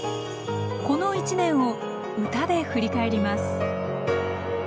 この一年を歌で振り返ります